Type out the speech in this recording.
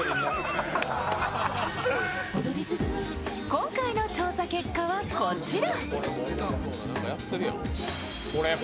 今回の調査結果は、こちら。